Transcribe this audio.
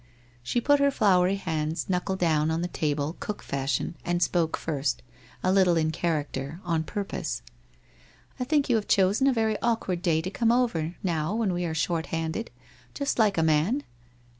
She put her floury hands knuckle down on the table, cook fashion, and spoke first, a little in character, on purpose. ' I think you have chosen a very awkward day to come over, now, when we are short handed. Just like a man